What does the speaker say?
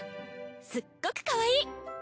すっごくかわいい！